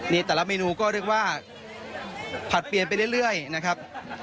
นี่แต่ละเมนูก็เรียกว่าผลัดเปลี่ยนไปเรื่อยนะครับ